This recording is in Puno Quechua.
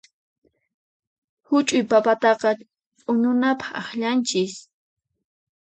Huch'uy papataqa ch'uñupaq akllanchis.